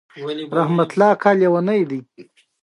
د پښو د بوی لپاره جرابې هره ورځ بدلې کړئ